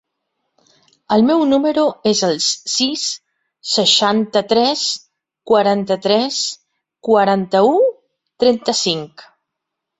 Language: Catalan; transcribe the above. El meu número es el sis, seixanta-tres, quaranta-tres, quaranta-u, trenta-cinc.